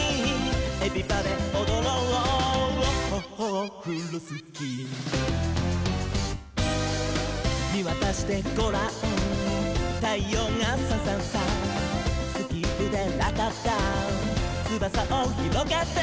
「エビバデおどろうオッホッホオフロスキー」「みわたしてごらんたいようがサンサンサン」「スキップでラタッターつばさをひろげて」